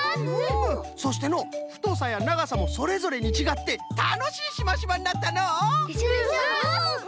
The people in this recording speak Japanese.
そしてのうふとさやながさもそれぞれにちがってたのしいシマシマになったのう！